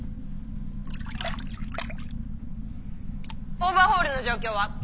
オーバーホールの状況は？